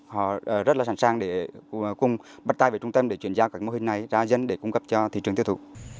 họ rất là sẵn sàng để cùng bắt tay với trung tâm để chuyển giao các mô hình này ra dân để cung cấp cho thị trường tiêu thụ